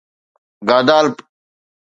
گادالپ